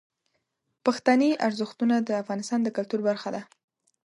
پښتني ارزښتونه د افغانستان د کلتور برخه ده.